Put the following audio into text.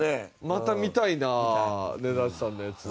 また見たいな根建さんのやつ。